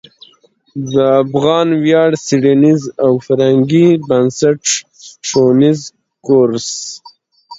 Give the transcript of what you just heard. د افغان ویاړ څیړنیز او فرهنګي بنسټ ښوونیز کورس